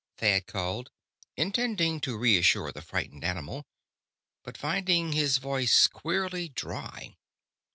Thad called, intending to reassure the frightened animal, but finding his voice queerly dry.